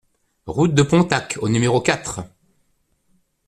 Route de Pontacq au numéro quatre